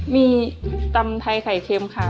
มีตำไทยไข่เค็มค่ะ